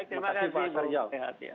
terima kasih pak syarizal